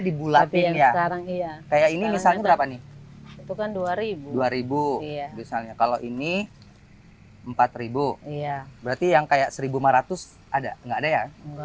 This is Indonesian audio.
dibulatkan ya kayak ini misalnya berapa nih dua ribu dua ribu kalau ini empat ribu berarti yang kayak seribu lima ratus ada